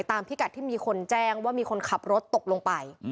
พิกัดที่มีคนแจ้งว่ามีคนขับรถตกลงไป